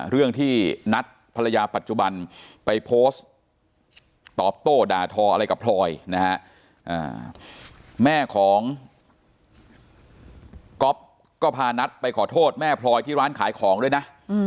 เรื่องที่นัดภรรยาปัจจุบันไปโพสต์ตอบโต้ด่าทออะไรกับพลอยนะฮะแม่ของก๊อฟก็พานัทไปขอโทษแม่พลอยที่ร้านขายของด้วยนะ